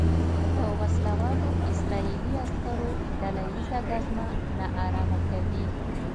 د وسلوالو اسرائیلي عسکرو ډله ییزه ګزمه نا ارامه کوي.